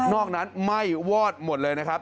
อกนั้นไหม้วอดหมดเลยนะครับ